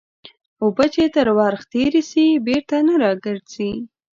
اوبه چې تر ورخ تېري سي بېرته نه راګرځي.